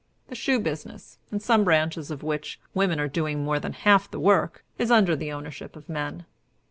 The shoe business, in some branches of which women are doing more than half the work, is under the ownership of men.